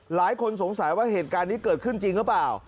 หลายคนสงสัยว่าเหตุการณ์นี้เกิดขึ้นจริงหรือเปล่า